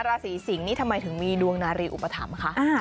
ราศีสิงศ์นี่ทำไมถึงมีดวงนารีอุปถัมภ์คะ